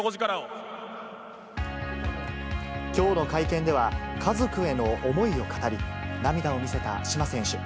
きょうの会見では、家族への思いを語り、涙を見せた嶋選手。